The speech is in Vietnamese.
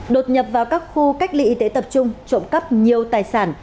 đột nhập vào các khu cách lị tế tập trung trộm cắp nhiều tài sản